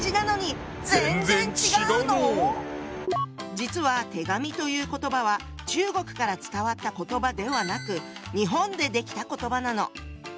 実は「手紙」という言葉は中国から伝わった言葉ではなく日本で出来た言葉なの。